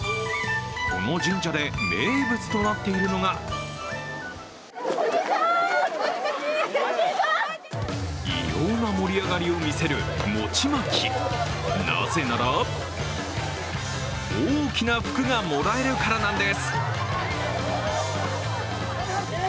この神社で名物となっているのが異様な盛り上がりを見せる餅まき、なぜなら大きな福がもらえるからなんです。